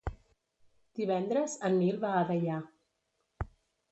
Divendres en Nil va a Deià.